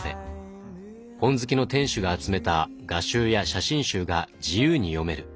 本好きの店主が集めた画集や写真集が自由に読める